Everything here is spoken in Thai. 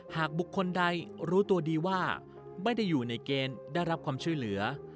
หากบุคคลใดรู้ตัวดีว่าไม่ได้อยู่ในเกณฑ์ได้รับความช่วยเหลือ